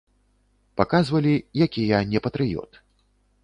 Паказвалі, які я не патрыёт.